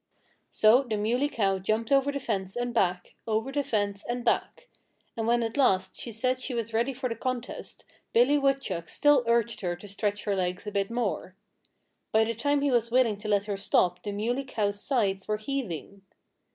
So the Muley Cow jumped over the fence and back, over the fence and back. And when at last she said she was ready for the contest Billy Woodchuck still urged her to stretch her legs a bit more. By the time he was willing to let her stop the Muley Cow's sides were heaving.